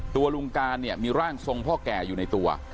ตัวลุงการเนี่ยมีร่างทรงพ่อแก่อยู่ในตัว